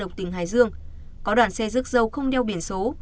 lộc tỉnh hải dương có đoàn xe rước dâu không đeo biển số